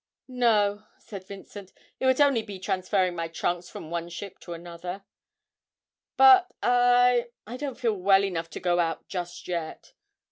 'No,' said Vincent; 'it would only be transferring my trunks from one ship to another; but I I don't feel well enough to go out just yet.'